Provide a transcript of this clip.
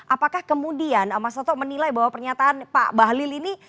apakah kemudian mas toto menilai bahwa pernyataan pak bahlil ini